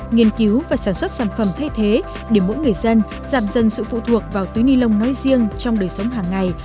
nghiên cứu và sản xuất sản phẩm thay thế để mỗi người dân giảm dần sự phụ thuộc vào túi ni lông nói riêng trong đời sống hàng ngày